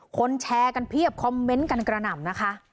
แชร์กันเพียบคอมเมนต์กันกระหน่ำนะคะ